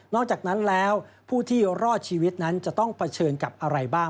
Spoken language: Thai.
อกจากนั้นแล้วผู้ที่รอดชีวิตนั้นจะต้องเผชิญกับอะไรบ้าง